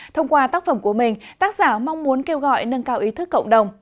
thông qua tác phẩm của mình tác giả mong muốn kêu gọi nâng cao ý thức cộng đồng